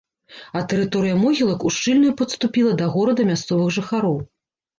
А тэрыторыя могілак ушчыльную падступіла да гарода мясцовых жыхароў.